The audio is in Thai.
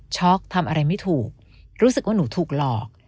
ทำอะไรไม่ถูกรู้สึกว่าหนูถูกหลอก